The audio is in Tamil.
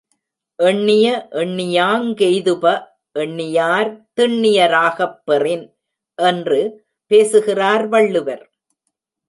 எண்ணிய எண்ணியாங் கெய்துப எண்ணியார் திண்ணிய ராகப் பெறின் என்று பேசுகிறார் வள்ளுவர்.